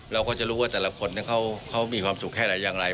เราก็จะรู้ว่าแต่ละคนเขามีความสุขแค่ไหนอย่างไร